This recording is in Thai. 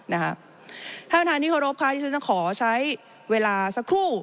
ท่านประธานที่เคารพค่ะที่ฉันจะขอใช้เวลาสักครู่